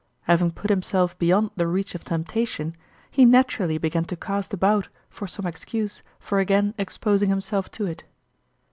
Having put himself be yond the reach of temptation, he naturally began to cast about for some excuse for again exposing himself to it.